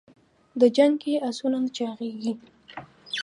د جنګ کې اسونه نه چاغېږي.